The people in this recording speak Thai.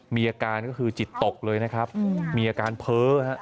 มีอาการก็คือจิตตกเลยนะครับมีอาการเพ้อฮะ